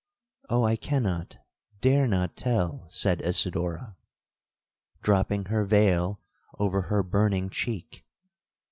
'—'Oh, I cannot, dare not tell!' said Isidora, dropping her veil over her burning cheek.